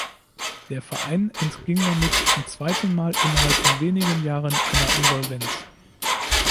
Der Verein entging damit zum zweiten Mal innerhalb von wenigen Jahren einer Insolvenz.